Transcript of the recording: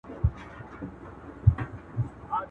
پيشو نه وه يو تور پړانگ وو قهرېدلى٫